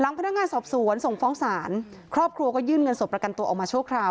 พนักงานสอบสวนส่งฟ้องศาลครอบครัวก็ยื่นเงินสดประกันตัวออกมาชั่วคราว